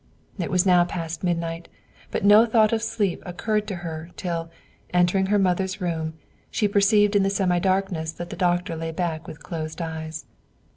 It was now past midnight; but no thought of sleep occurred to her till, entering her mother's room, she perceived in the semi darkness that the doctor lay back with closed eyes.